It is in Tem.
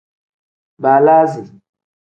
Baalasi.